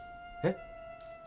えっ？